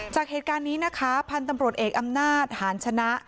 จากเหตุการณ์นี้นะคะพันธุ์ตำรวจเอกอำนาจหาญชนะ